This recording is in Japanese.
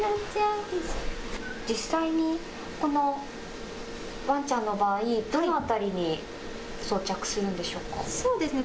実際にこのワンちゃんの場合、どの辺りに装着するんでしょうか。